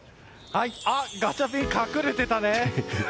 ガチャピン、隠れてたね！